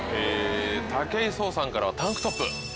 武井壮さんからはタンクトップ。